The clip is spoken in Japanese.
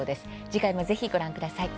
次回もぜひご覧ください。